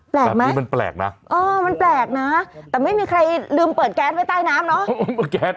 แปลกไหมโอ้มันแปลกนะแต่ไม่มีใครลืมเปิดแก๊สไฟใต้น้ำเนอะ